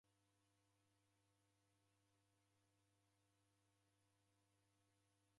Kwaki waweadeda huw'o?